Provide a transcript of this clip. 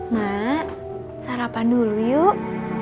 mak sarapan dulu yuk